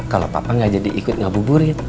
kalau papa nggak jadi ikut ngabuburin